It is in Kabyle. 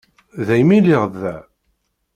Daymi lliɣ da.